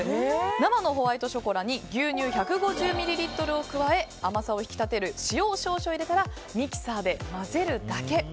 生のホワイトショコラに牛乳１５０ミリリットルを加え甘さを引き立てる塩を少々入れたらミキサーで混ぜるだけ。